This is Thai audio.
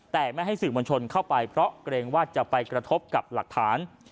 แต่ไม่ให้สื่อมวลชนเข้าไปเพราะเกรงว่าจะไปกระทบกับหลักฐาน